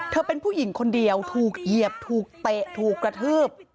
เป็นผู้หญิงคนเดียวถูกเหยียบถูกเตะถูกกระทืบ